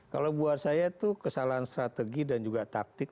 kalau buat saya itu kesalahan strategi dan juga taktik